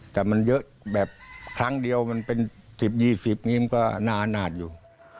แต่มันเยอะแบบครั้งเดียวมันเป็น๑๐๒๐นี้มันก็นานอาจอยู่